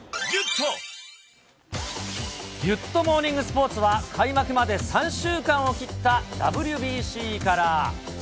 ギュッとモーニングスポーツは開幕まで３週間を切ったＷＢＣから。